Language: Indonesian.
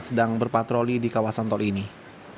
sedang berpatroli di kawasan tersebut